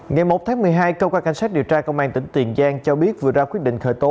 ngày một tháng một mươi hai cơ quan cảnh sát điều tra công an tỉnh tiền giang cho biết vừa ra quyết định khởi tố